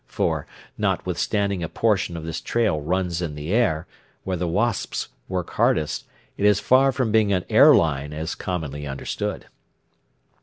For, notwithstanding a portion of this trail runs in the air, where the wasps work hardest, it is far from being an air line as commonly understood.